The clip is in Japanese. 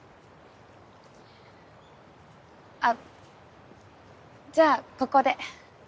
あっじゃあここで。